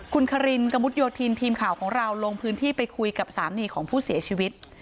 คุณคารินกระมุดโยธินทีมข่าวของเราลงพื้นที่ไปคุยกับสามีของผู้เสียชีวิต